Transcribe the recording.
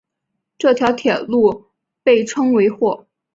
这条铁路被称为或。